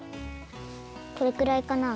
これくらいかな？